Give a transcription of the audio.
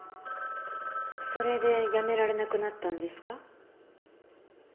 それでやめられなくなったんですか？